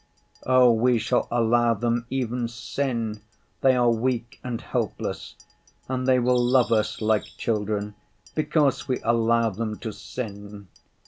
Oh, we shall allow them even sin, they are weak and helpless, and they will love us like children because we allow them to sin.